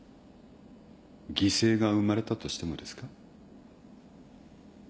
犠牲が生まれたとしてもですか。